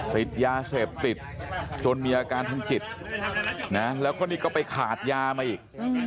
ติดยาเสพติดจนมีอาการทางจิตนะแล้วก็นี่ก็ไปขาดยามาอีก